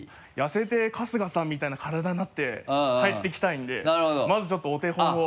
痩せて春日さんみたいな体になって帰ってきたいんでまずちょっとお手本を。